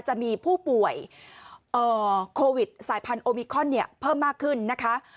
จะมีผู้ป่วยโควิดสายพันธุมิคอนเพิ่มมากขึ้นนะคะ